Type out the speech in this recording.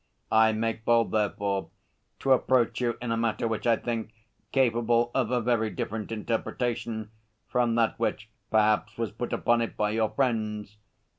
I make bold, therefore, to approach you in a matter which I think capable of a very different interpretation from that which perhaps was put upon it by your friends.